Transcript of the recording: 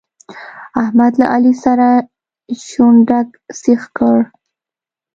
احمد له علي سره شونډک سيخ کړ.